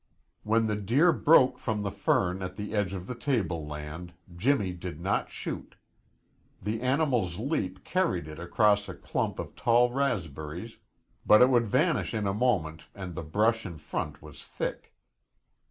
When the deer broke from the fern at the edge of the tableland Jimmy did not shoot. The animal's leap carried it across a clump of tall raspberries, but it would vanish in a moment and the brush in front was thick.